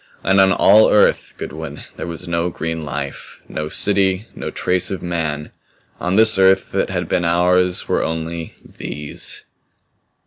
And on all Earth, Goodwin, there was no green life, no city, no trace of man. On this Earth that had been ours were only These.